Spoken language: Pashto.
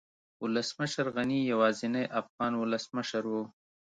ولسمشر غني يوازينی افغان ولسمشر و